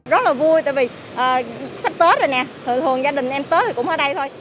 rất là vui tại vì sắp tết rồi nè thường thường gia đình em tết thì cũng ở đây thôi